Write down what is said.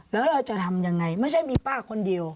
แล้วเราจะทำยังไงไม่ใช่มีป้าคนเดียว